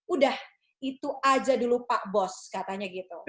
udah itu aja dulu pak bos katanya gitu